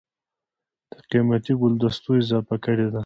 دَ قېمتي ګلدستو اضافه کړې ده